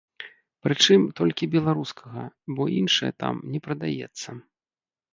Прычым, толькі беларускага, бо іншае там не прадаецца.